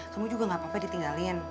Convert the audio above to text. kamu juga gapapa ditinggalin